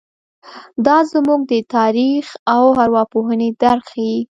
دا زموږ د تاریخ او ارواپوهنې درک ښيي.